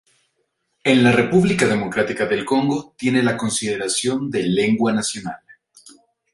En la República Democrática del Congo tiene la consideración de "lengua nacional".